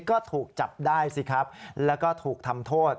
ก็ถูกจับได้สิครับแล้วก็ถูกทำโทษ